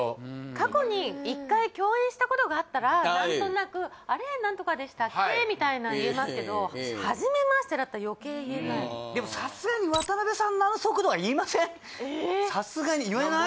過去に１回共演したことがあったら何となく「あれ？ナントカでしたっけ」みたいなの言えますけど初めましてだったら余計言えないでもさすがに渡部さんのさすがに言えない？